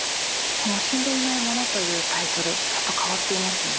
この「死んでいない者」というタイトルちょっと変わっていますよね。